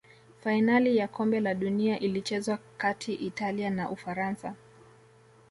fainali ya kombe la dunia ilichezwa kati italia na ufaransa